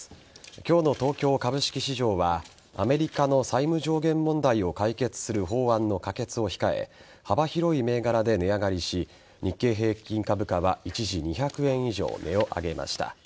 今日の東京株式市場はアメリカの債務上限問題を解決する法案の可決を控え幅広い銘柄で値上がりし日経平均株価は一時２００円以上値を上げました。